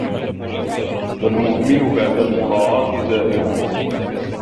وَالْمُهْمِلَ بَعْدَ الْمُرَاعَاةِ زَائِغٌ